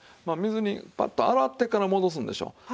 まあ水にパッと洗ってから戻すんでしょう。